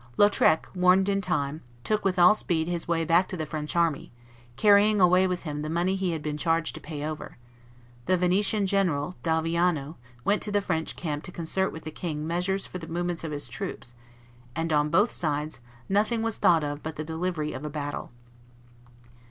Lautrec, warned in time, took with all speed his way back to the French army, carrying away with him the money he had been charged to pay over; the Venetian general, D'Alviano, went to the French camp to concert with the king measures for the movements of his troops; and on both sides nothing was thought of but the delivery of a battle.